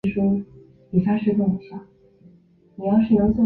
东岛是西沙群岛宣德群岛中的第二大的岛屿。